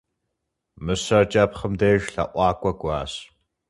Мыщэр кӀэпхъым деж лъэӀуакӀуэ кӀуащ.